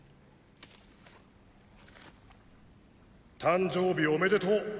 「誕生日おめでとう。